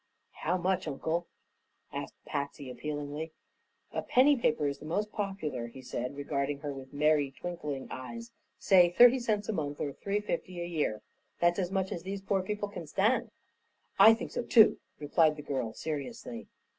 "How much, Uncle?" asked Patsy, appealingly. "A penny paper is the most popular," he said, regarding her with merry, twinkling eyes. "Say thirty cents a month, or three fifty a year. That's as much as these poor people can stand." "I think so too," replied the girl, seriously.